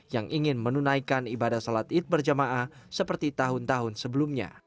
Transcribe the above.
yang ingin menunaikan ibadah sholat id berjamaah seperti tahun tahun sebelumnya